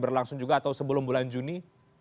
berlangsung juga atau sebelum bulan juni